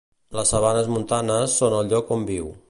Les sabanes montanes són el lloc on viu.